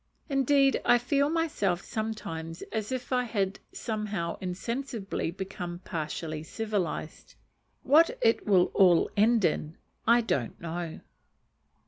Indeed I feel myself sometimes as if I had somehow insensibly become partially civilized. What it will all end in, I don't know.